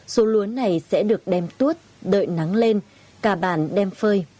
số lúa này sẽ được đem tuốt đợi nắng lên cả bàn đem phơi